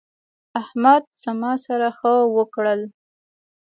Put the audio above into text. احمد زما سره ښه وکړل.